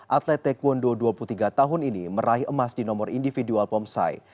atlet taekwondo dua puluh tiga tahun ini meraih emas di nomor individual pomsai